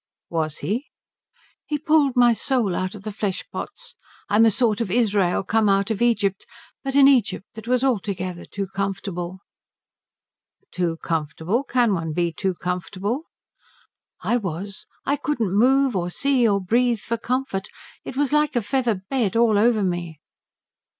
"Was he?" "He pulled my soul out of the flesh pots. I'm a sort of Israel come out of Egypt, but an Egypt that was altogether too comfortable." "Too comfortable? Can one be too comfortable?" "I was. I couldn't move or see or breathe for comfort. It was like a feather bed all over me."